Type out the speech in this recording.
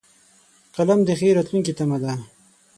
قلم د ښې راتلونکې تمه ده